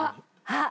あっ！